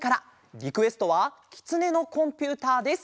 リクエストは「きつねのコンピューター」です。